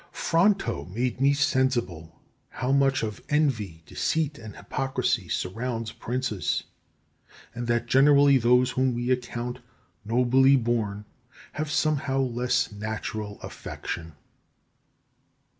11. Fronto made me sensible how much of envy, deceit and hypocrisy surrounds princes; and that generally those whom we account nobly born have somehow less natural affection.